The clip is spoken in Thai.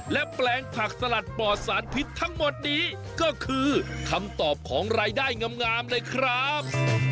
และแปลงผักสลัดปอดสารพิษทั้งหมดนี้ก็คือคำตอบของรายได้งามเลยครับ